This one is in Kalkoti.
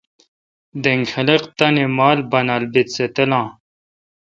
دینگ خلق تانی مال بانال بیت سہ تلاں۔